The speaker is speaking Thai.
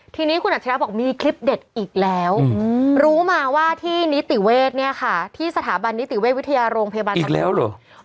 ทีนี้คุณอัจฉริยะบอกมีคลิปเด็ดอีกแล้วรู้มาว่าที่นิติเวศเนี่ยค่ะที่สถาบันนิติเวชวิทยาโรงพยาบาลนั้นแล้วเหรอ